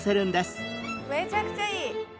めちゃくちゃいい！